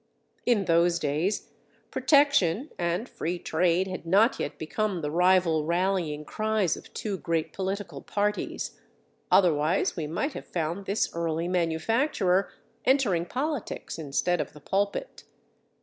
In those days, protection and free trade had not yet become the rival rallying cries of two great political parties; otherwise we might have found this early manufacturer entering politics instead of the pulpit.